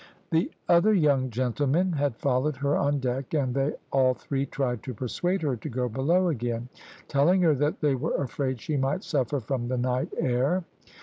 "The other young gentlemen had followed her on deck, and they all three tried to persuade her to go below again, telling her that they were afraid she might suffer from the night air.